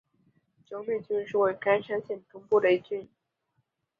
久米郡是位于冈山县中部的一郡。